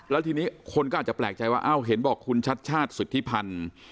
แล้วทีนี้คนก็อาจจะแปลกใจว่าอ้าวเห็นบอกคุณชัดชาติสิทธิพันธ์